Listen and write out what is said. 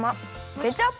ケチャップ